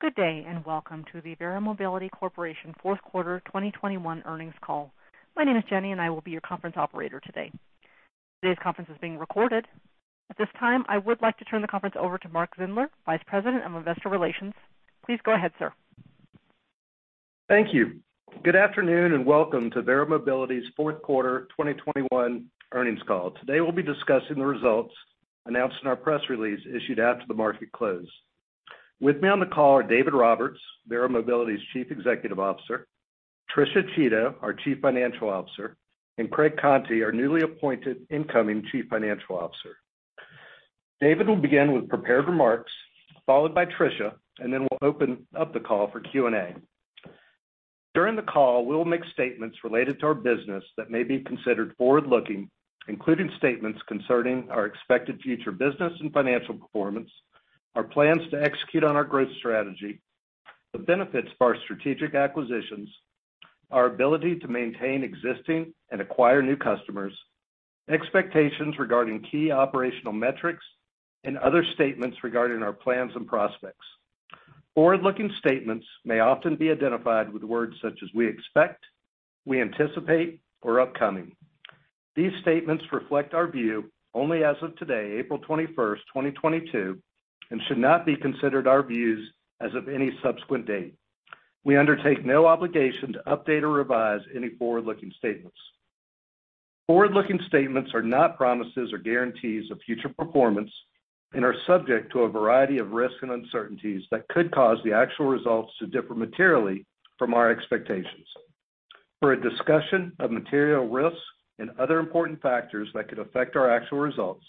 Good day, and welcome to the Verra Mobility Corporation fourth quarter 2021 earnings call. My name is Jenny, and I will be your conference operator today. Today's conference is being recorded. At this time, I would like to turn the conference over to Mark Zindler, Vice President of Investor Relations. Please go ahead, sir. Thank you. Good afternoon, and welcome to Verra Mobility's fourth quarter 2021 earnings call. Today, we'll be discussing the results announced in our press release issued after the market close. With me on the call are David Roberts, Verra Mobility's Chief Executive Officer, Patricia Chiodo, our Chief Financial Officer, and Craig Conti, our newly appointed incoming Chief Financial Officer. David will begin with prepared remarks, followed by Patricia, and then we'll open up the call for Q&A. During the call, we'll make statements related to our business that may be considered forward-looking, including statements concerning our expected future business and financial performance, our plans to execute on our growth strategy, the benefits of our strategic acquisitions, our ability to maintain existing and acquire new customers, expectations regarding key operational metrics, and other statements regarding our plans and prospects. Forward-looking statements may often be identified with words such as we expect, we anticipate, or upcoming. These statements reflect our view only as of today, April 21, 2022, and should not be considered our views as of any subsequent date. We undertake no obligation to update or revise any forward-looking statements. Forward-looking statements are not promises or guarantees of future performance and are subject to a variety of risks and uncertainties that could cause the actual results to differ materially from our expectations. For a discussion of material risks and other important factors that could affect our actual results,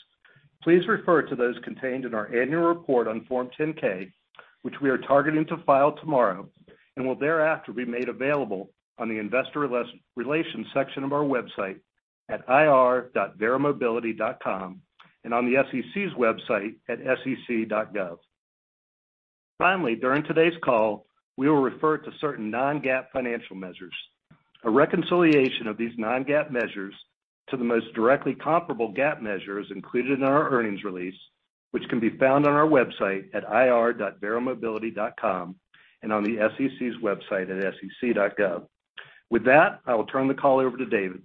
please refer to those contained in our annual report on Form 10-K, which we are targeting to file tomorrow and will thereafter be made available on the investor relations section of our website at ir.verramobility.com and on the SEC's website at sec.gov. Finally, during today's call, we will refer to certain non-GAAP financial measures. A reconciliation of these non-GAAP measures to the most directly comparable GAAP measure is included in our earnings release, which can be found on our website at ir.verramobility.com and on the SEC's website at sec.gov. With that, I will turn the call over to David.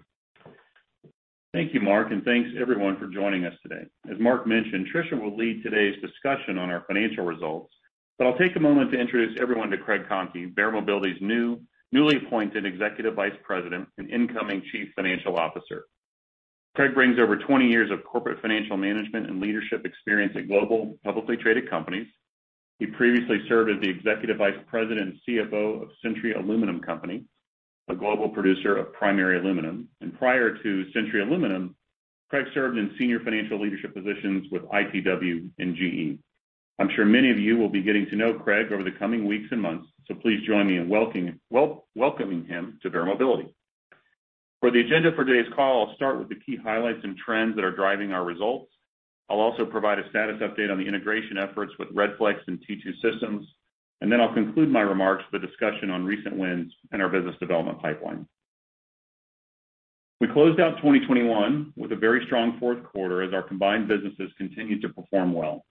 Thank you, Mark, and thanks everyone for joining us today. As Mark mentioned, Patricia will lead today's discussion on our financial results, but I'll take a moment to introduce everyone to Craig Conti, Verra Mobility's newly appointed Executive Vice President and incoming Chief Financial Officer. Craig brings over 20 years of corporate financial management and leadership experience at global publicly traded companies. He previously served as the Executive Vice President and CFO of Century Aluminum Company, a global producer of primary aluminum. Prior to Century Aluminum, Craig served in senior financial leadership positions with ITW and GE. I'm sure many of you will be getting to know Craig over the coming weeks and months, so please join me in welcoming him to Verra Mobility. For the agenda for today's call, I'll start with the key highlights and trends that are driving our results. I'll also provide a status update on the integration efforts with Redflex and T2 Systems, and then I'll conclude my remarks with a discussion on recent wins and our business development pipeline. We closed out 2021 with a very strong fourth quarter as our combined businesses continued to perform well.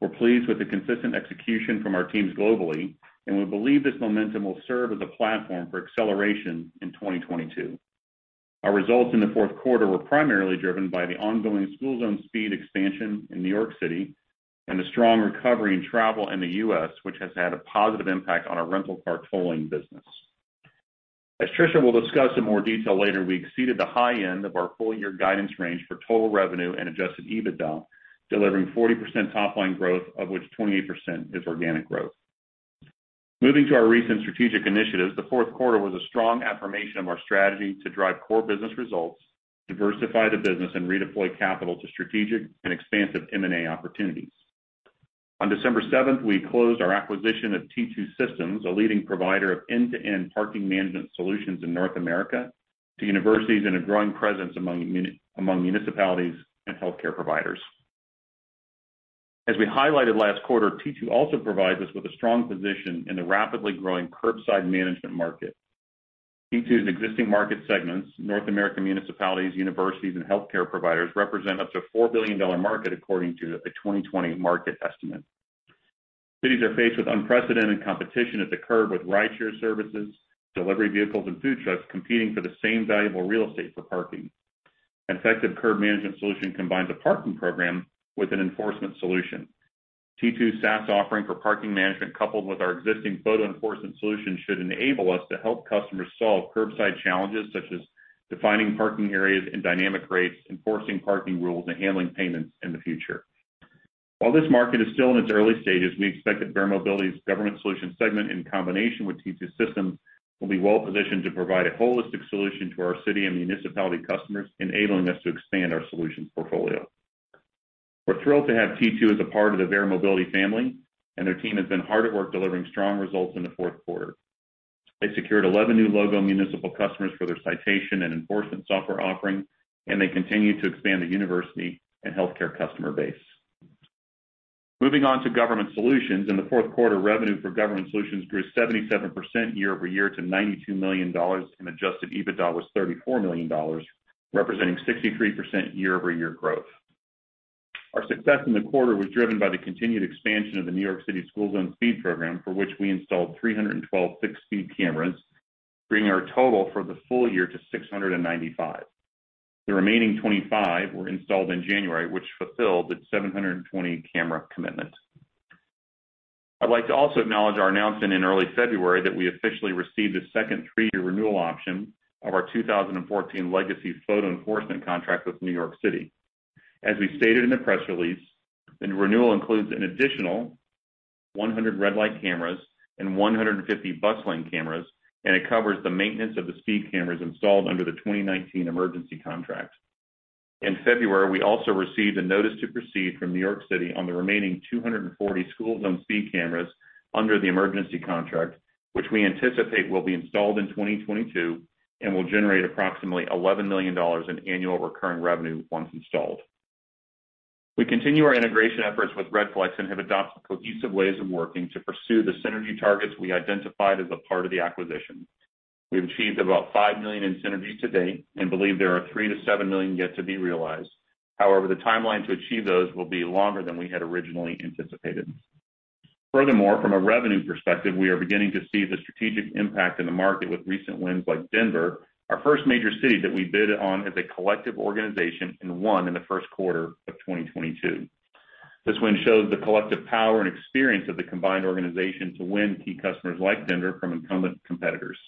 We're pleased with the consistent execution from our teams globally, and we believe this momentum will serve as a platform for acceleration in 2022. Our results in the fourth quarter were primarily driven by the ongoing school zone speed expansion in New York City and the strong recovery in travel in the U.S., which has had a positive impact on our rental car tolling business. As Patricia will discuss in more detail later, we exceeded the high end of our full year guidance range for total revenue and adjusted EBITDA, delivering 40% top line growth, of which 28% is organic growth. Moving to our recent strategic initiatives, the fourth quarter was a strong affirmation of our strategy to drive core business results, diversify the business, and redeploy capital to strategic and expansive M&A opportunities. On December seventh, we closed our acquisition of T2 Systems, a leading provider of end-to-end parking management solutions in North America to universities and a growing presence among among municipalities and healthcare providers. As we highlighted last quarter, T2 also provides us with a strong position in the rapidly growing curbside management market. T2's existing market segments, North American municipalities, universities, and healthcare providers, represent up to $4 billion market according to a 2020 market estimate. Cities are faced with unprecedented competition at the curb, with rideshare services, delivery vehicles, and food trucks competing for the same valuable real estate for parking. An effective curb management solution combines a parking program with an enforcement solution. T2's SaaS offering for parking management, coupled with our existing photo enforcement solution, should enable us to help customers solve curbside challenges, such as defining parking areas and dynamic rates, enforcing parking rules, and handling payments in the future. While this market is still in its early stages, we expect that Verra Mobility's Government Solutions segment, in combination with T2 Systems, will be well positioned to provide a holistic solution to our city and municipality customers, enabling us to expand our solutions portfolio. We're thrilled to have T2 as a part of the Verra Mobility family, and their team has been hard at work delivering strong results in the fourth quarter. They secured 11 new logo municipal customers for their citation and enforcement software offering, and they continue to expand the university and healthcare customer base. Moving on to Government Solutions. In the fourth quarter, revenue for Government Solutions grew 77% year-over-year to $92 million, and adjusted EBITDA was $34 million. Representing 63% year-over-year growth. Our success in the quarter was driven by the continued expansion of the New York City school zone speed program, for which we installed 312 fixed speed cameras, bringing our total for the full year to 695. The remaining 25 were installed in January, which fulfilled the 720 camera commitment. I'd like to also acknowledge our announcement in early February that we officially received a second three-year renewal option of our 2014 legacy photo enforcement contract with New York City. As we stated in the press release, the renewal includes an additional 100 red light cameras and 150 bus lane cameras, and it covers the maintenance of the speed cameras installed under the 2019 emergency contract. In February, we also received a notice to proceed from New York City on the remaining 240 school zone speed cameras under the emergency contract, which we anticipate will be installed in 2022 and will generate approximately $11 million in annual recurring revenue once installed. We continue our integration efforts with Redflex and have adopted cohesive ways of working to pursue the synergy targets we identified as a part of the acquisition. We've achieved about $5 million in synergies to date and believe there are $3 million-$7 million yet to be realized. However, the timeline to achieve those will be longer than we had originally anticipated. Furthermore, from a revenue perspective, we are beginning to see the strategic impact in the market with recent wins like Denver, our first major city that we bid on as a collective organization and won in the first quarter of 2022. This win shows the collective power and experience of the combined organization to win key customers like Denver from incumbent competitors.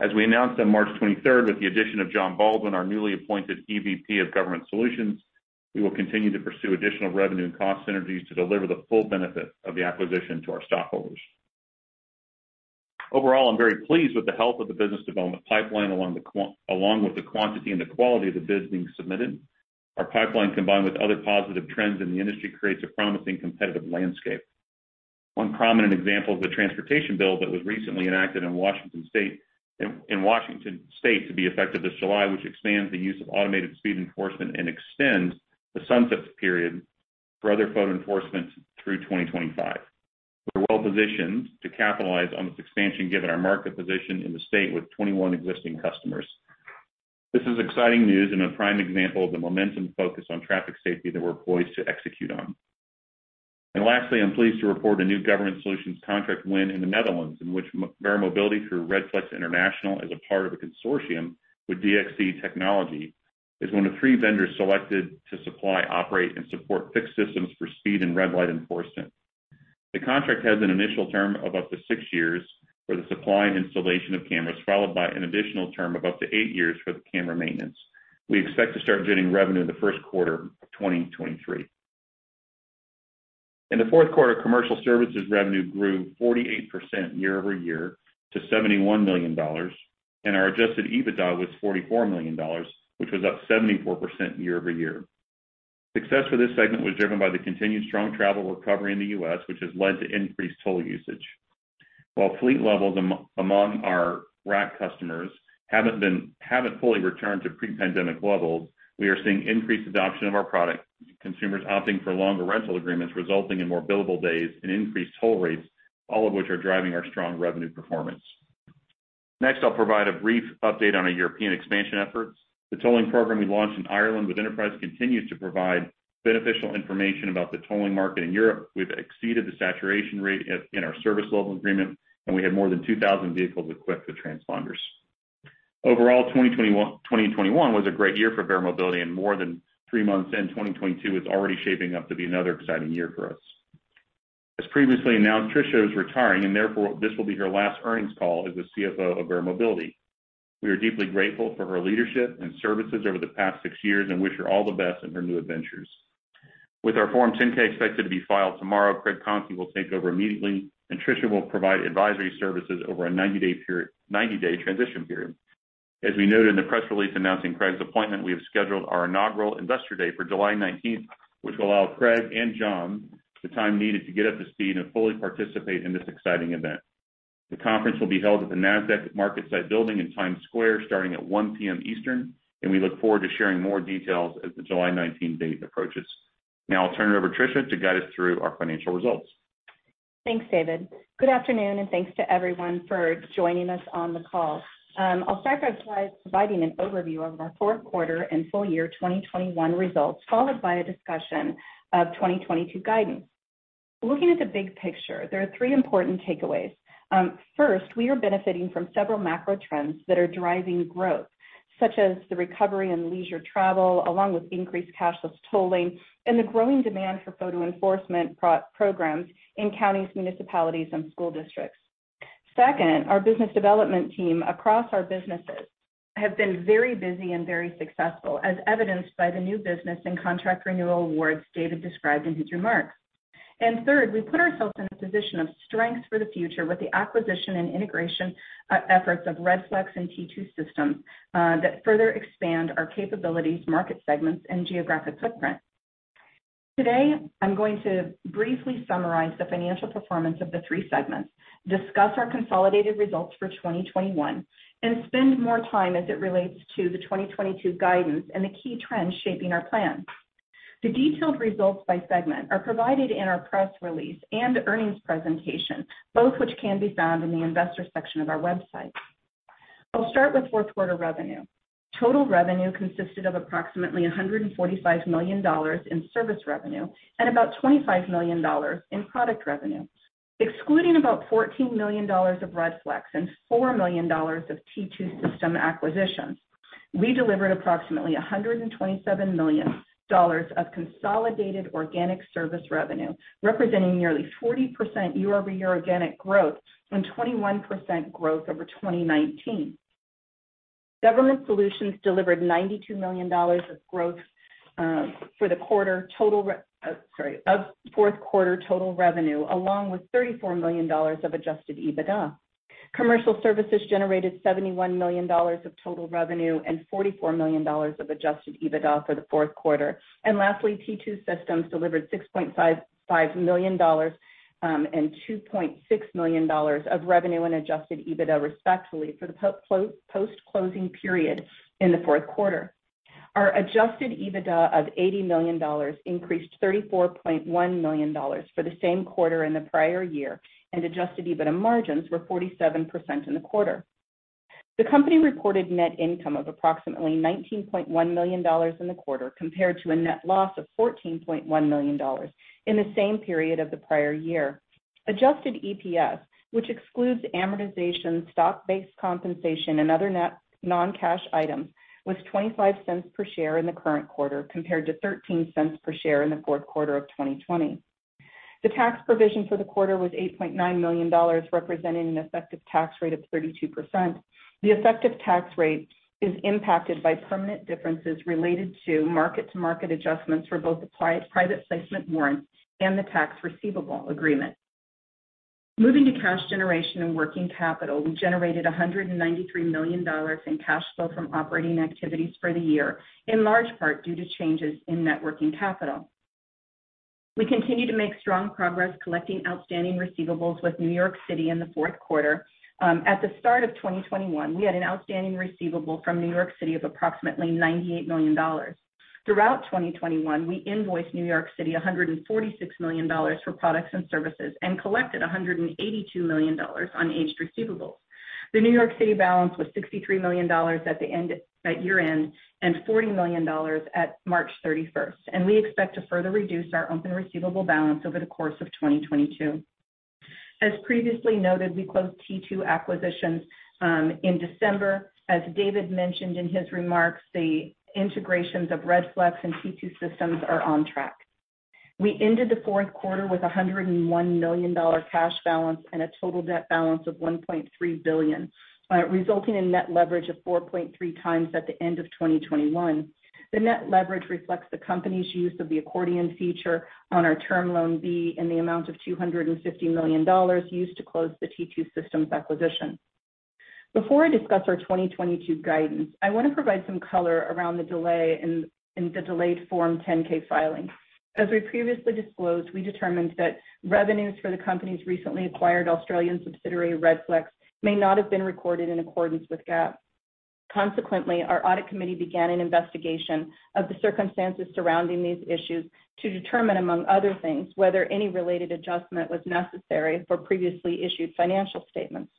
As we announced on March 23, with the addition of Jon Baldwin, our newly appointed EVP of Government Solutions, we will continue to pursue additional revenue and cost synergies to deliver the full benefit of the acquisition to our stockholders. Overall, I'm very pleased with the health of the business development pipeline along with the quantity and the quality of the bids being submitted. Our pipeline, combined with other positive trends in the industry, creates a promising competitive landscape. One prominent example is the transportation bill that was recently enacted in Washington state to be effective this July, which expands the use of automated speed enforcement and extends the sunset period for other photo enforcement through 2025. We're well-positioned to capitalize on this expansion given our market position in the state with 21 existing customers. This is exciting news and a prime example of the momentum focused on traffic safety that we're poised to execute on. Lastly, I'm pleased to report a new Government Solutions contract win in the Netherlands, in which Verra Mobility, through Redflex International, is a part of a consortium with DXC Technology, is one of three vendors selected to supply, operate, and support fixed systems for speed and red light enforcement. The contract has an initial term of up to six years for the supply and installation of cameras, followed by an additional term of up to eight years for the camera maintenance. We expect to start generating revenue in the first quarter of 2023. In the fourth quarter, Commercial Services revenue grew 48% year-over-year to $71 million, and our adjusted EBITDA was $44 million, which was up 74% year-over-year. Success for this segment was driven by the continued strong travel recovery in the U.S., which has led to increased toll usage. While fleet levels among our RAC customers haven't fully returned to pre-pandemic levels, we are seeing increased adoption of our product, consumers opting for longer rental agreements, resulting in more billable days and increased toll rates, all of which are driving our strong revenue performance. Next, I'll provide a brief update on our European expansion efforts. The tolling program we launched in Ireland with Enterprise continues to provide beneficial information about the tolling market in Europe. We've exceeded the saturation rate in our service level agreement, and we have more than 2,000 vehicles equipped with transponders. Overall, 2021 was a great year for Verra Mobility and more than three months in, 2022 is already shaping up to be another exciting year for us. As previously announced, Patricia is retiring and therefore, this will be her last earnings call as the CFO of Verra Mobility. We are deeply grateful for her leadership and services over the past six years and wish her all the best in her new adventures. With our Form 10-K expected to be filed tomorrow, Craig Conti will take over immediately, and Patricia will provide advisory services over a 90-day period, 90-day transition period. As we noted in the press release announcing Craig's appointment, we have scheduled our inaugural Investor Day for July 19th, which will allow Craig and Jon the time needed to get up to speed and fully participate in this exciting event. The conference will be held at the Nasdaq MarketSite building in Times Square starting at 1:00 P.M. Eastern, and we look forward to sharing more details as the July 19 date approaches. Now I'll turn it over to Patricia to guide us through our financial results. Thanks, David. Good afternoon, and thanks to everyone for joining us on the call. I'll start by providing an overview of our fourth quarter and full year 2021 results, followed by a discussion of 2022 guidance. Looking at the big picture, there are three important takeaways. First, we are benefiting from several macro trends that are driving growth, such as the recovery in leisure travel, along with increased cashless tolling and the growing demand for photo enforcement programs in counties, municipalities, and school districts. Second, our business development team across our businesses have been very busy and very successful, as evidenced by the new business and contract renewal awards David described in his remarks. Third, we put ourselves in a position of strength for the future with the acquisition and integration efforts of Redflex and T2 Systems that further expand our capabilities, market segments, and geographic footprint. Today, I'm going to briefly summarize the financial performance of the three segments, discuss our consolidated results for 2021, and spend more time as it relates to the 2022 guidance and the key trends shaping our plans. The detailed results by segment are provided in our press release and earnings presentation, both which can be found in the investor section of our website. I'll start with fourth quarter revenue. Total revenue consisted of approximately $145 million in service revenue and about $25 million in product revenue. Excluding about $14 million of Redflex and $4 million of T2 Systems acquisitions, we delivered approximately $127 million of consolidated organic service revenue, representing nearly 40% year-over-year organic growth and 21% growth over 2019. Government Solutions delivered $92 million of growth for the fourth quarter total revenue, along with $34 million of adjusted EBITDA. Commercial Services generated $71 million of total revenue and $44 million of adjusted EBITDA for the fourth quarter. Lastly, T2 Systems delivered $6.5 million and $2.6 million of revenue and adjusted EBITDA, respectively, for the post-closing period in the fourth quarter. Our adjusted EBITDA of $80 million increased $34.1 million for the same quarter in the prior year, and adjusted EBITDA margins were 47% in the quarter. The company reported net income of approximately $19.1 million in the quarter compared to a net loss of $14.1 million in the same period of the prior year. Adjusted EPS, which excludes amortization, stock-based compensation and other net non-cash items, was $0.25 per share in the current quarter compared to $0.13 per share in the fourth quarter of 2020. The tax provision for the quarter was $8.9 million, representing an effective tax rate of 32%. The effective tax rate is impacted by permanent differences related to mark-to-market adjustments for both the private placement warrants and the tax receivable agreement. Moving to cash generation and working capital, we generated $193 million in cash flow from operating activities for the year, in large part due to changes in net working capital. We continue to make strong progress collecting outstanding receivables with New York City in the fourth quarter. At the start of 2021, we had an outstanding receivable from New York City of approximately $98 million. Throughout 2021, we invoiced New York City $146 million for products and services and collected $182 million on aged receivables. The New York City balance was $63 million at year-end and $40 million at March 31, and we expect to further reduce our open receivable balance over the course of 2022. As previously noted, we closed T2 acquisitions in December. As David mentioned in his remarks, the integrations of Redflex and T2 Systems are on track. We ended the fourth quarter with a $101 million cash balance and a total debt balance of $1.3 billion, resulting in net leverage of 4.3x at the end of 2021. The net leverage reflects the company's use of the accordion feature on our Term Loan B in the amount of $250 million used to close the T2 Systems acquisition. Before I discuss our 2022 guidance, I want to provide some color around the delay in the delayed Form 10-K filing. As we previously disclosed, we determined that revenues for the company's recently acquired Australian subsidiary, Redflex, may not have been recorded in accordance with GAAP. Consequently, our audit committee began an investigation of the circumstances surrounding these issues to determine, among other things, whether any related adjustment was necessary for previously issued financial statements.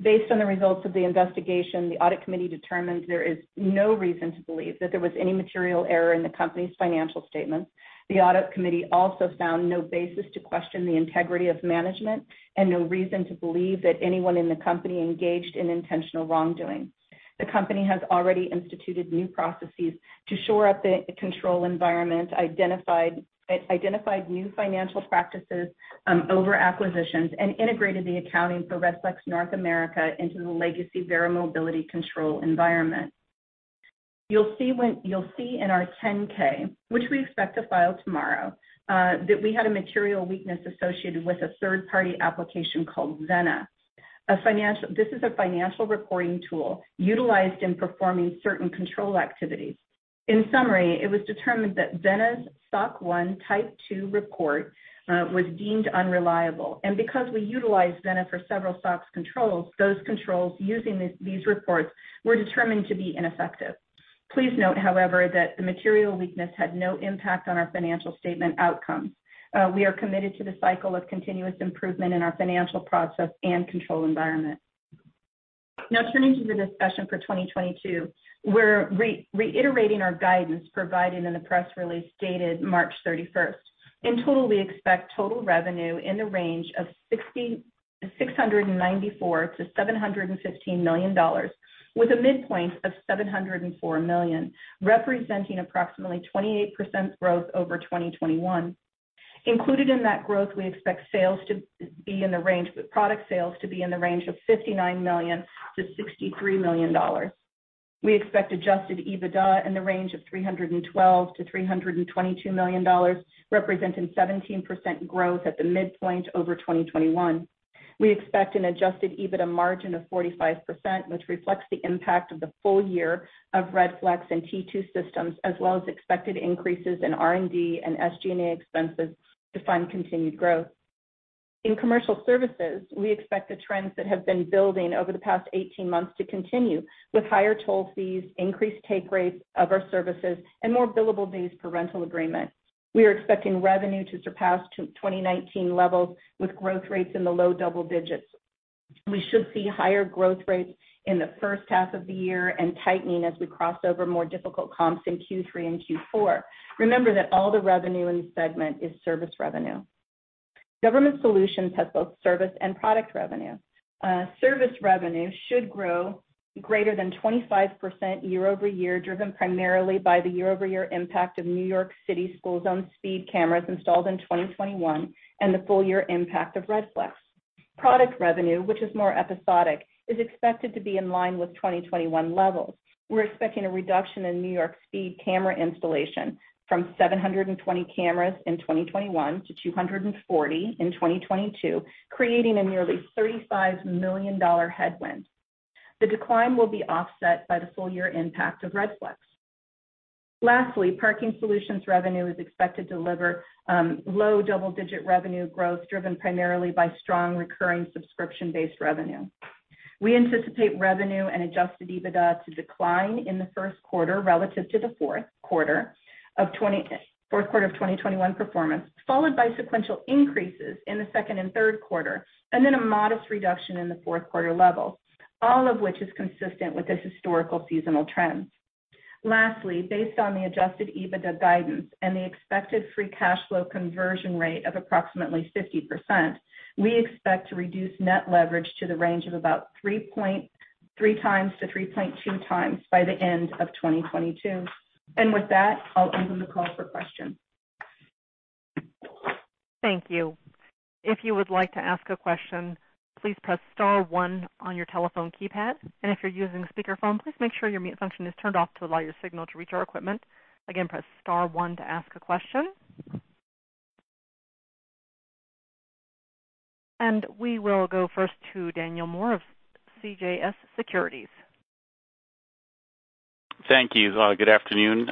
Based on the results of the investigation, the audit committee determined there is no reason to believe that there was any material error in the company's financial statements. The audit committee also found no basis to question the integrity of management and no reason to believe that anyone in the company engaged in intentional wrongdoing. The company has already instituted new processes to shore up the control environment, identified new financial practices over acquisitions, and integrated the accounting for Redflex North America into the legacy Verra Mobility control environment. You'll see in our 10-K, which we expect to file tomorrow, that we had a material weakness associated with a third-party application called Vena. This is a financial reporting tool utilized in performing certain control activities. In summary, it was determined that Vena's SOC 1 Type 2 report was deemed unreliable, and because we utilized Vena for several SOX controls, those controls using these reports were determined to be ineffective. Please note, however, that the material weakness had no impact on our financial statement outcomes. We are committed to the cycle of continuous improvement in our financial process and control environment. Now turning to the discussion for 2022, we're reiterating our guidance provided in the press release dated March 31. In total, we expect total revenue in the range of $694 million-$715 million with a midpoint of $704 million, representing approximately 28% growth over 2021. Included in that growth, we expect product sales to be in the range of $59 million-$63 million. We expect adjusted EBITDA in the range of $312 million-$322 million, representing 17% growth at the midpoint over 2021. We expect an adjusted EBITDA margin of 45%, which reflects the impact of the full year of Redflex and T2 Systems, as well as expected increases in R&D and SG&A expenses to fund continued growth. In Commercial Services, we expect the trends that have been building over the past 18 months to continue with higher toll fees, increased take rates of our services, and more billable days per rental agreement. We are expecting revenue to surpass 2019 levels with growth rates in the low-double digits. We should see higher growth rates in the first half of the year and tightening as we cross over more difficult comps in Q3 and Q4. Remember that all the revenue in this segment is service revenue. Government Solutions has both service and product revenue. Service revenue should grow greater than 25% year-over-year, driven primarily by the year-over-year impact of New York City school zone speed cameras installed in 2021 and the full year impact of Redflex. Product revenue, which is more episodic, is expected to be in line with 2021 levels. We're expecting a reduction in New York speed camera installation from 720 cameras in 2021 to 240 in 2022, creating a nearly $35 million headwind. The decline will be offset by the full year impact of Redflex. Lastly, parking solutions revenue is expected to deliver low double-digit revenue growth driven primarily by strong recurring subscription-based revenue. We anticipate revenue and adjusted EBITDA to decline in the first quarter relative to the fourth quarter of 2021 performance, followed by sequential increases in the second and third quarter, and then a modest reduction in the fourth quarter levels, all of which is consistent with this historical seasonal trends. Lastly, based on the adjusted EBITDA guidance and the expected free cash flow conversion rate of approximately 50%, we expect to reduce net leverage to the range of about 3-3.2 times by the end of 2022. With that, I'll open the call for questions. Thank you. If you would like to ask a question, please press star one on your telephone keypad. If you're using a speakerphone, please make sure your mute function is turned off to allow your signal to reach our equipment. Again, press star one to ask a question. We will go first to Daniel Moore of CJS Securities. Thank you. Good afternoon.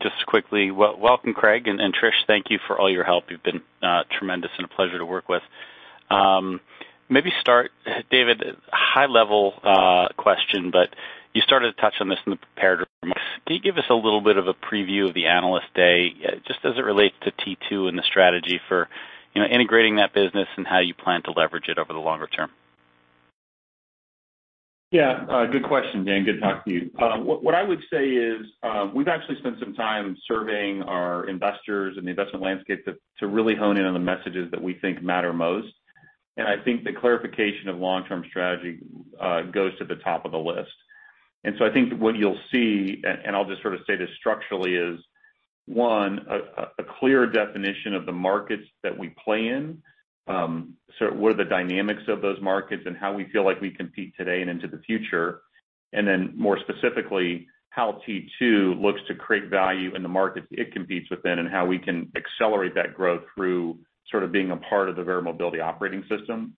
Just quickly, welcome, Craig and Patricia, thank you for all your help. You've been tremendous and a pleasure to work with. Maybe start, David, high level question, but you started to touch on this in the prepared remarks. Can you give us a little bit of a preview of the Analyst Day, just as it relates to T2 and the strategy for integrating that business and how you plan to leverage it over the longer term? Yeah, good question, Dan. Good to talk to you. What I would say is, we've actually spent some time surveying our investors and the investment landscape to really hone in on the messages that we think matter most. I think the clarification of long-term strategy goes to the top of the list. I think what you'll see, and I'll just sort of say this structurally is one, a clear definition of the markets that we play in. What are the dynamics of those markets and how we feel like we compete today and into the future. More specifically, how T2 looks to create value in the markets it competes within and how we can accelerate that growth through sort of being a part of the Verra Mobility operating system.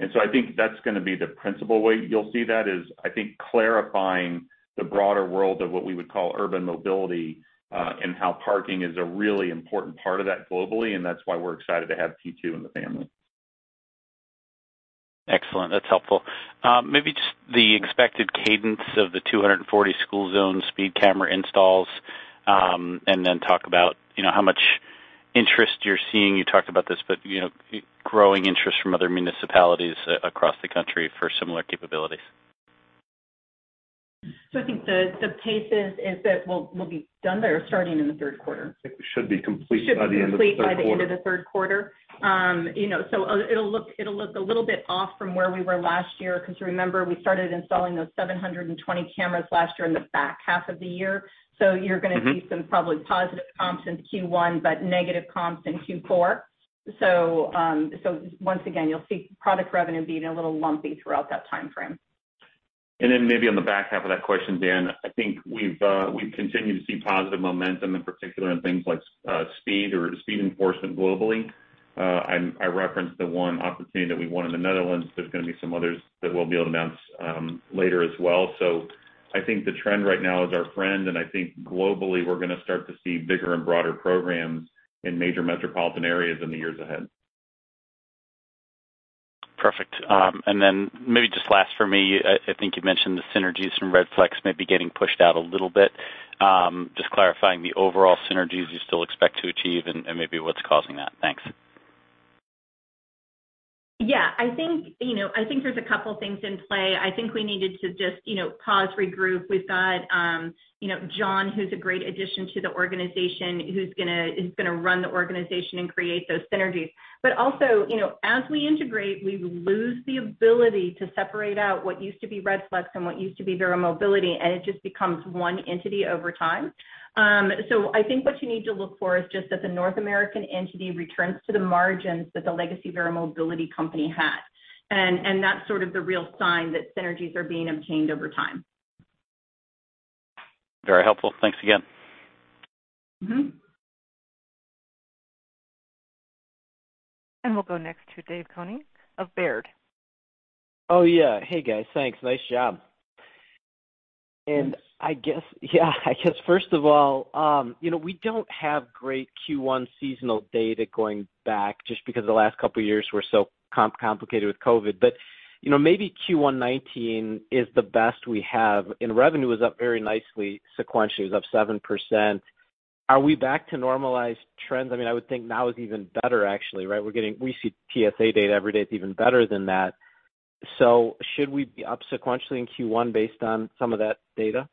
I think that's gonna be the principal way you'll see that is, I think, clarifying the broader world of what we would call urban mobility, and how parking is a really important part of that globally, and that's why we're excited to have T2 in the family. Excellent. That's helpful. Maybe just the expected cadence of the 240 school zone speed camera installs, and then talk about, you know, how much interest you're seeing. You talked about this, but, you know, growing interest from other municipalities across the country for similar capabilities. I think the pace is that we'll be done there starting in the third quarter. It should be complete by the end of the third quarter. Should be complete by the end of the third quarter. You know, it'll look a little bit off from where we were last year, 'cause remember we started installing those 720 cameras last year in the back half of the year. You're gonna see some probably positive comps in Q1 but negative comps in Q4. Once again, you'll see product revenue being a little lumpy throughout that timeframe. Maybe on the back half of that question, Dan, I think we've continued to see positive momentum in particular in things like speed enforcement globally. I referenced the one opportunity that we won in the Netherlands. There's gonna be some others that we'll be able to announce later as well. I think the trend right now is our friend, and I think globally, we're gonna start to see bigger and broader programs in major metropolitan areas in the years ahead. Perfect. Maybe just last for me, I think you mentioned the synergies from Redflex may be getting pushed out a little bit. Just clarifying the overall synergies you still expect to achieve and maybe what's causing that. Thanks. Yeah, I think, you know, I think there's a couple things in play. I think we needed to just, you know, pause, regroup. We've got, you know, Jon, who's a great addition to the organization, is gonna run the organization and create those synergies. But also, you know, as we integrate, we lose the ability to separate out what used to be Redflex and what used to be Verra Mobility, and it just becomes one entity over time. I think what you need to look for is just that the North American entity returns to the margins that the legacy Verra Mobility company had. And that's sort of the real sign that synergies are being obtained over time. Very helpful. Thanks again. Mm-hmm. We'll go next to David Koning of Baird. Oh, yeah. Hey, guys. Thanks. Nice job. I guess, first of all, you know, we don't have great Q1 seasonal data going back just because the last couple of years were so complicated with COVID. You know, maybe Q1 2019 is the best we have, and revenue was up very nicely. Sequentially, it was up 7%. Are we back to normalized trends? I mean, I would think now is even better, actually, right? We see TSA data every day. It's even better than that. Should we be up sequentially in Q1 based on some of that data?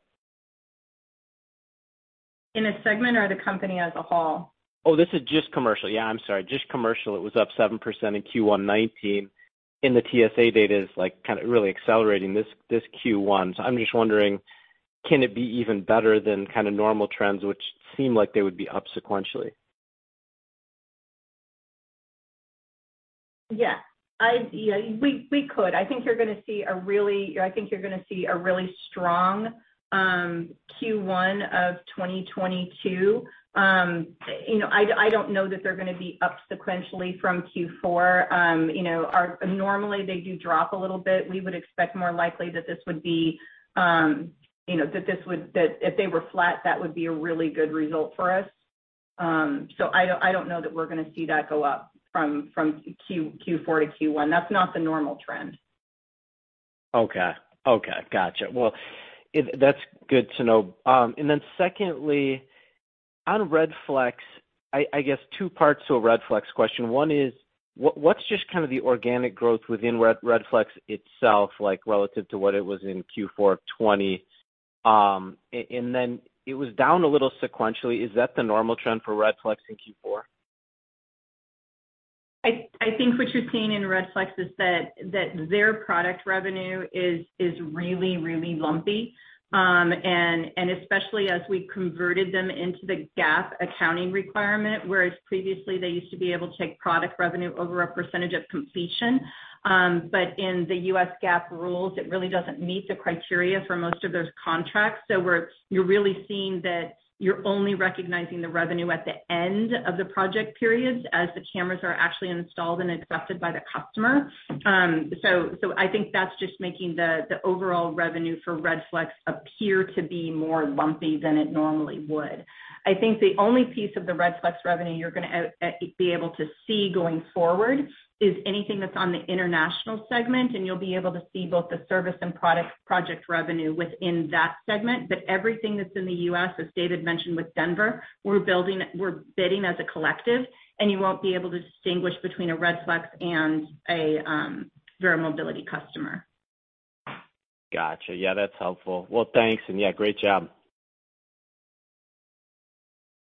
In a segment or the company as a whole? Oh, this is just commercial. Yeah, I'm sorry. Just commercial. It was up 7% in Q1 2019, and the TSA data is, like, kind of really accelerating this Q1. I'm just wondering, can it be even better than kind of normal trends which seem like they would be up sequentially? Yeah. We could. I think you're gonna see a really strong Q1 of 2022. You know, I don't know that they're gonna be up sequentially from Q4. You know, normally they do drop a little bit. We would expect more likely that this would be, you know, that if they were flat, that would be a really good result for us. So I don't know that we're gonna see that go up from Q4 to Q1. That's not the normal trend. Okay. Gotcha. Well, that's good to know. Secondly, on Redflex, I guess two parts to a Redflex question. One is what's just kind of the organic growth within Redflex itself, like, relative to what it was in Q4 of 2020? It was down a little sequentially. Is that the normal trend for Redflex in Q4? I think what you're seeing in Redflex is that their product revenue is really lumpy. Especially as we converted them into the GAAP accounting requirement, whereas previously they used to be able to take product revenue over a percentage of completion. In the U.S. GAAP rules, it really doesn't meet the criteria for most of those contracts. You're really seeing that you're only recognizing the revenue at the end of the project periods as the cameras are actually installed and accepted by the customer. I think that's just making the overall revenue for Redflex appear to be more lumpy than it normally would. I think the only piece of the Redflex revenue you're gonna be able to see going forward is anything that's on the international segment, and you'll be able to see both the service and project revenue within that segment. Everything that's in the U.S., as David mentioned with Denver, we're bidding as a collective, and you won't be able to distinguish between a Redflex and a Verra Mobility customer. Gotcha. Yeah, that's helpful. Well, thanks, and yeah, great job.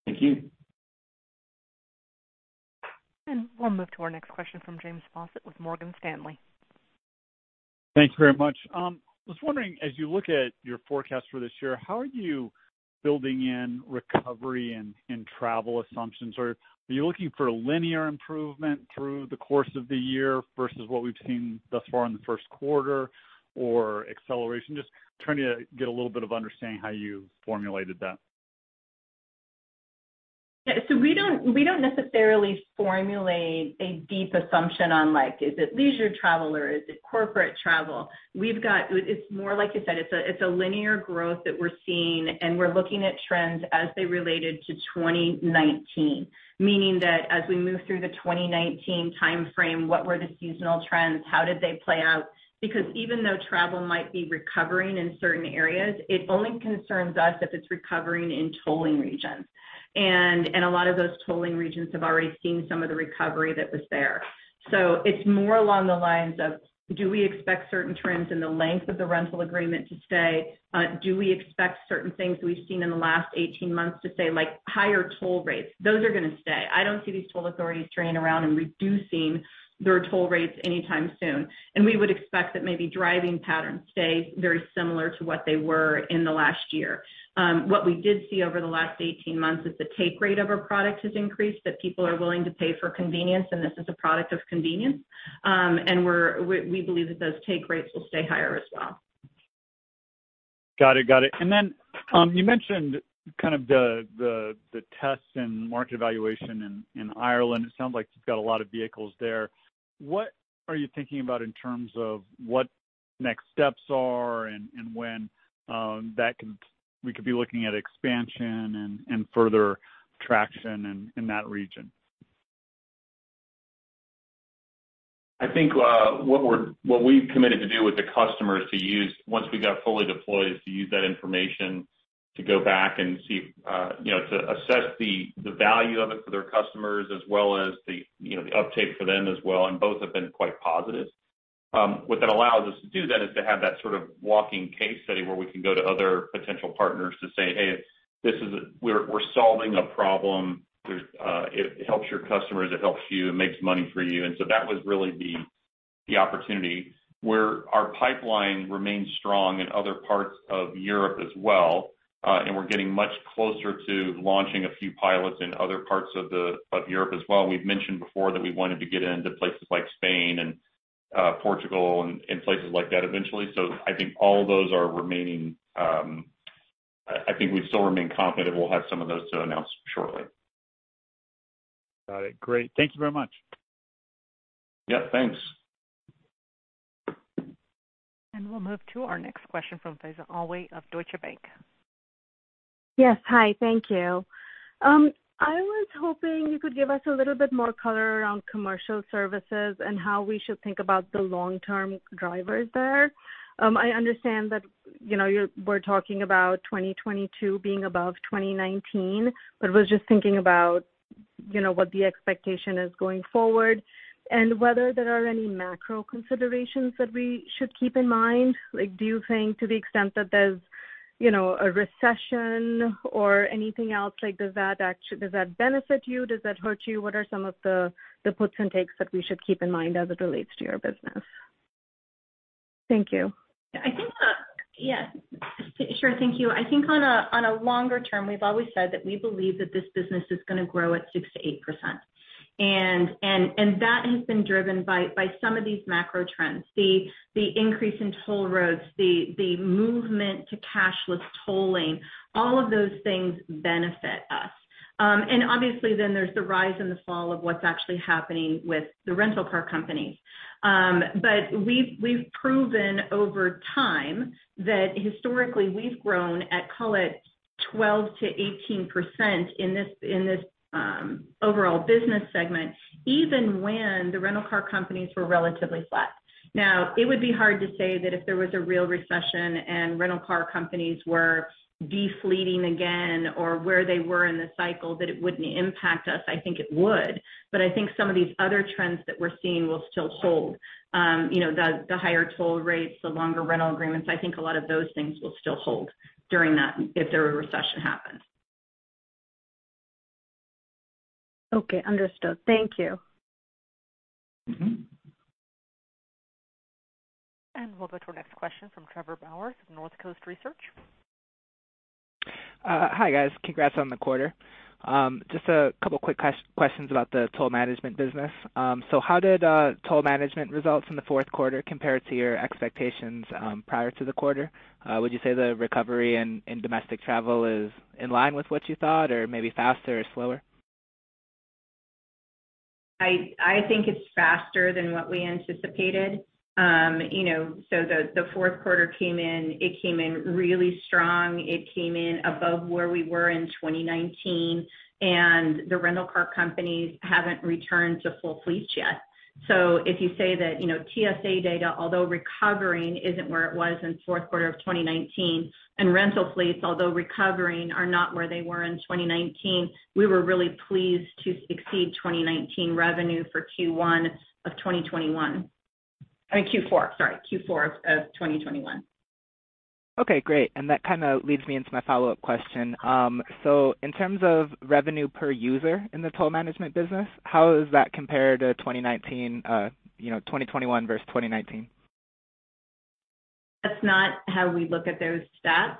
Thank you. We'll move to our next question from James Faucette with Morgan Stanley. Thanks very much. I was wondering, as you look at your forecast for this year, how are you building in recovery and travel assumptions? Or are you looking for a linear improvement through the course of the year versus what we've seen thus far in the first quarter or acceleration? Just trying to get a little bit of understanding how you formulated that. Yeah. We don't necessarily formulate a deep assumption on like is it leisure travel or is it corporate travel? It's more like I said, it's a linear growth that we're seeing, and we're looking at trends as they related to 2019. Meaning that as we move through the 2019 timeframe, what were the seasonal trends? How did they play out? Because even though travel might be recovering in certain areas, it only concerns us if it's recovering in tolling regions. A lot of those tolling regions have already seen some of the recovery that was there. It's more along the lines of, do we expect certain trends in the length of the rental agreement to stay? Do we expect certain things we've seen in the last 18 months to stay, like higher toll rates? Those are gonna stay. I don't see these toll authorities turning around and reducing their toll rates anytime soon. We would expect that maybe driving patterns stay very similar to what they were in the last year. What we did see over the last 18 months is the take rate of our product has increased, that people are willing to pay for convenience, and this is a product of convenience. We believe that those take rates will stay higher as well. Got it. You mentioned kind of the tests and market evaluation in Ireland. It sounds like you've got a lot of vehicles there. What are you thinking about in terms of what next steps are and when we could be looking at expansion and further traction in that region? I think what we've committed to do with the customer is to use once we got fully deployed is to use that information to go back and see you know to assess the value of it for their customers as well as you know the uptake for them as well, and both have been quite positive. What that allows us to do then is to have that sort of walking case study where we can go to other potential partners to say, "Hey, we're solving a problem. It helps your customers. It helps you. It makes money for you." That was really the opportunity. Where our pipeline remains strong in other parts of Europe as well, and we're getting much closer to launching a few pilots in other parts of Europe as well. We've mentioned before that we wanted to get into places like Spain and Portugal and places like that eventually. I think all those are remaining. I think we still remain confident we'll have some of those to announce shortly. Got it. Great. Thank you very much. Yep, thanks. We'll move to our next question from Faiza Alwy of Deutsche Bank. Yes. Hi, thank you. I was hoping you could give us a little bit more color around Commercial Services and how we should think about the long-term drivers there. I understand that, you know, we're talking about 2022 being above 2019, but I was just thinking about, you know, what the expectation is going forward and whether there are any macro considerations that we should keep in mind. Like, do you think to the extent that there's, you know, a recession or anything else, like, does that benefit you? Does that hurt you? What are some of the puts and takes that we should keep in mind as it relates to your business? Thank you. I think. Yeah, sure. Thank you. I think on a longer term, we've always said that we believe that this business is gonna grow at 6%-8%. That has been driven by some of these macro trends. The increase in toll roads, the movement to cashless tolling, all of those things benefit us. Obviously then there's the rise and the fall of what's actually happening with the rental car companies. We've proven over time that historically we've grown at, call it, 12%-18% in this overall business segment, even when the rental car companies were relatively flat. Now, it would be hard to say that if there was a real recession and rental car companies were de-fleeting again or where they were in the cycle that it wouldn't impact us. I think it would. I think some of these other trends that we're seeing will still hold. You know, the higher toll rates, the longer rental agreements, I think a lot of those things will still hold during that if there were a recession happens. Okay, understood. Thank you. Mm-hmm. We'll go to our next question from Trevor Bowers of Northcoast Research. Hi, guys. Congrats on the quarter. Just a couple quick questions about the toll management business. How did toll management results in the fourth quarter compare to your expectations prior to the quarter? Would you say the recovery in domestic travel is in line with what you thought or maybe faster or slower? I think it's faster than what we anticipated. You know, the fourth quarter came in, it came in really strong. It came in above where we were in 2019, and the rental car companies haven't returned to full fleets yet. If you say that, you know, TSA data, although recovering, isn't where it was in fourth quarter of 2019, and rental fleets, although recovering, are not where they were in 2019, we were really pleased to exceed 2019 revenue for Q1 of 2021. I mean Q4, sorry, Q4 of 2021. Okay, great. That kinda leads me into my follow-up question. In terms of revenue per user in the toll management business, how does that compare to 2019, you know, 2021 versus 2019? That's not how we look at those stats.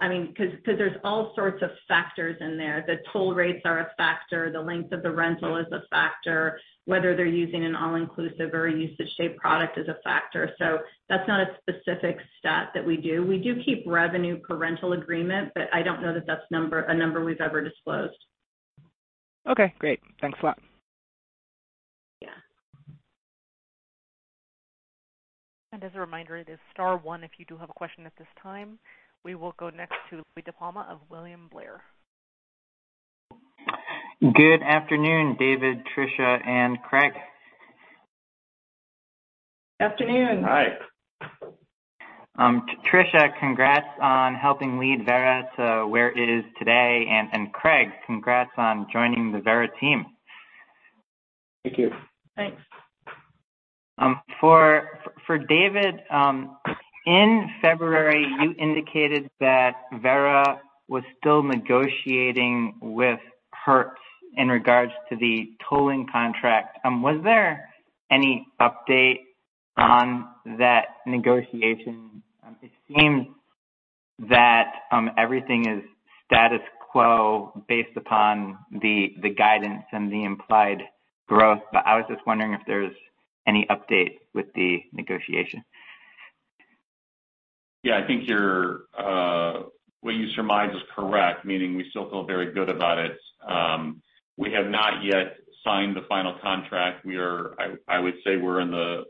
I mean, 'cause there's all sorts of factors in there. The toll rates are a factor. The length of the rental is a factor. Whether they're using an all-inclusive or a usage-based product is a factor. That's not a specific stat that we do. We do keep revenue per rental agreement, but I don't know that that's a number we've ever disclosed. Okay, great. Thanks a lot. Yeah. As a reminder, it is star one if you do have a question at this time. We will go next to Louie DiPalma of William Blair. Good afternoon, David, Patricia, and Craig. Afternoon. Hi. Patricia, congrats on helping lead Verra to where it is today. Craig, congrats on joining the Verra team. Thank you. Thanks. For David, in February, you indicated that Verra was still negotiating with Hertz in regards to the tolling contract. Was there any update on that negotiation? It seems that everything is status quo based upon the guidance and the implied growth, but I was just wondering if there's any update with the negotiation. Yeah. I think your what you surmise is correct, meaning we still feel very good about it. We have not yet signed the final contract. I would say we're in the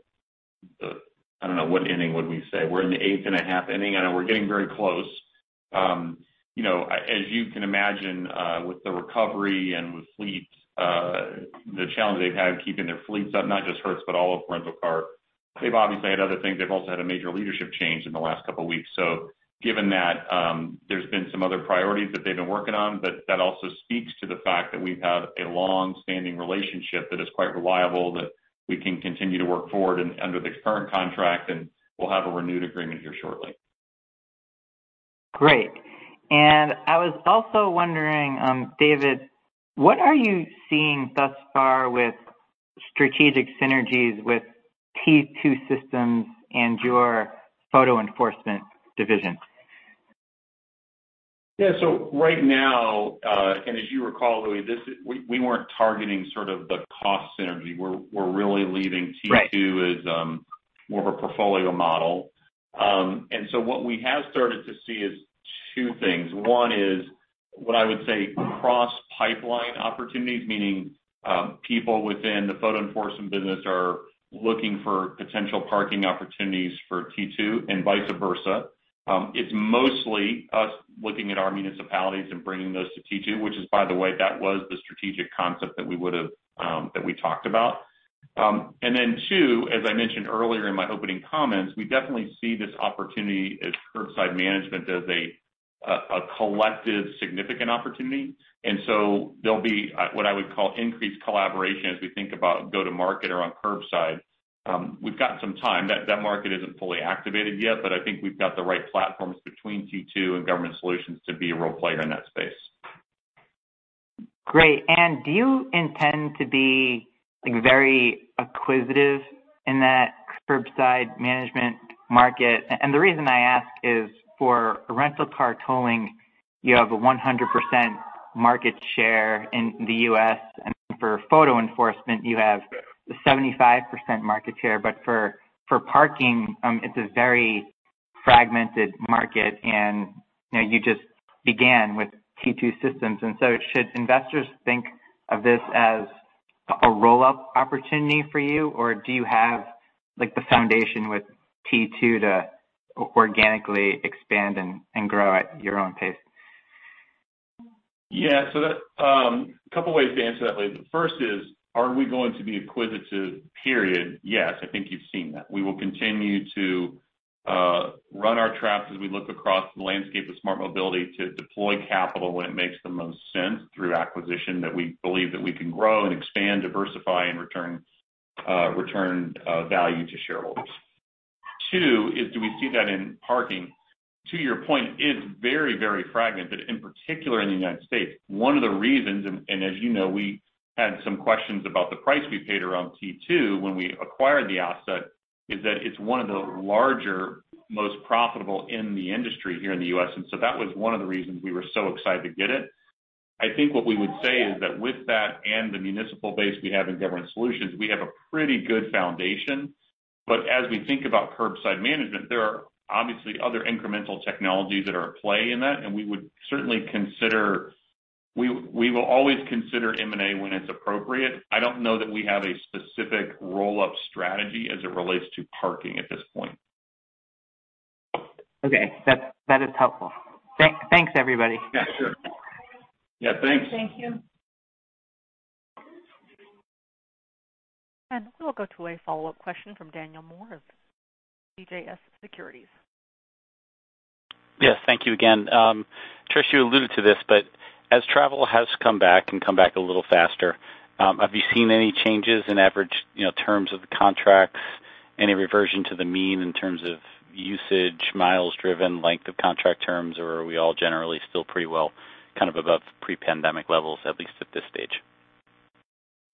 I don't know, what inning would we say? We're in the eighth and a half inning, and we're getting very close. You know, as you can imagine, with the recovery and with fleets, the challenge they've had keeping their fleets up, not just Hertz, but all of rental car, they've obviously had other things. They've also had a major leadership change in the last couple weeks. Given that, there's been some other priorities that they've been working on, but that also speaks to the fact that we've had a long-standing relationship that is quite reliable, that we can continue to work forward under the current contract, and we'll have a renewed agreement here shortly. Great. I was also wondering, David, what are you seeing thus far with strategic synergies with T2 Systems and your photo enforcement division? Yeah. Right now, and as you recall, Louie, we weren't targeting sort of the cost synergy. We're really leaving T2- Right. as more of a portfolio model. What we have started to see is two things. One is what I would say cross pipeline opportunities, meaning, people within the photo enforcement business are looking for potential parking opportunities for T2 and vice versa. It's mostly us looking at our municipalities and bringing those to T2, which is, by the way, that was the strategic concept that we would have, that we talked about. And then two, as I mentioned earlier in my opening comments, we definitely see this opportunity as curbside management as a collective, significant opportunity. There'll be what I would call increased collaboration as we think about go-to-market or on curbside. We've got some time. That market isn't fully activated yet, but I think we've got the right platforms between T2 and Government Solutions to be a role player in that space. Great. Do you intend to be, like, very acquisitive in that curbside management market? The reason I ask is for rental car tolling, you have a 100% market share in the U.S., and for photo enforcement, you have 75% market share. For parking, it's a very fragmented market and, you know, you just began with T2 Systems. Should investors think of this as a roll-up opportunity for you? Or do you have, like, the foundation with T2 to organically expand and grow at your own pace? Yeah. That, a couple ways to answer that, Lee. The first is, are we going to be acquisitive, period? Yes. I think you've seen that. We will continue to run our traps as we look across the landscape of smart mobility to deploy capital when it makes the most sense through acquisition that we believe that we can grow and expand, diversify, and return value to shareholders. Two is do we see that in parking? To your point, it's very, very fragmented, in particular in the United States. One of the reasons, as you know, we had some questions about the price we paid around T2 when we acquired the asset is that it's one of the larger, most profitable in the industry here in the U.S. That was one of the reasons we were so excited to get it. I think what we would say is that with that and the municipal base we have in Government Solutions, we have a pretty good foundation. As we think about curbside management, there are obviously other incremental technologies that are at play in that and we would certainly consider. We will always consider M&A when it's appropriate. I don't know that we have a specific roll-up strategy as it relates to parking at this point. Okay. That is helpful. Thanks everybody. Yeah, sure. Yeah, thanks. Thank you. We'll go to a follow-up question from Daniel Moore of CJS Securities. Yes. Thank you again. Patricia, you alluded to this, but as travel has come back and come back a little faster, have you seen any changes in average, you know, terms of the contracts, any reversion to the mean in terms of usage, miles driven, length of contract terms? Or are we all generally still pretty well kind of above pre-pandemic levels, at least at this stage?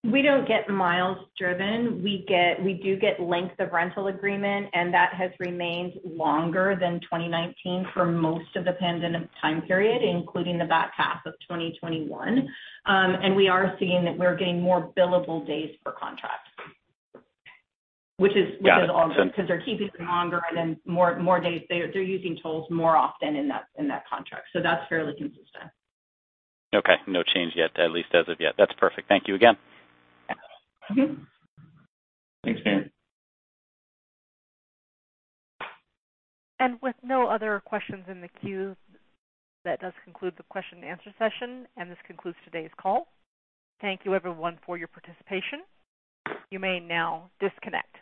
We don't get miles driven. We get length of rental agreement, and that has remained longer than 2019 for most of the pandemic time period, including the back half of 2021. We are seeing that we're getting more billable days per contract, which is awesome because they're keeping it longer and then more days, they're using tolls more often in that contract. That's fairly consistent. Okay, no change yet, at least as of yet. That's perfect. Thank you again. Mm-hmm. Thanks, Dan. With no other questions in the queue, that does conclude the question and answer session, and this concludes today's call. Thank you everyone for your participation. You may now disconnect.